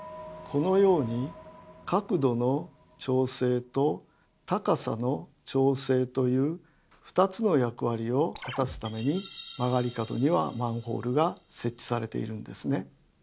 このように角度の調整と高さの調整という２つの役割を果たすために曲がり角にはマンホールが設置されているんですね。